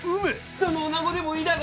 どの女子でもいいだが。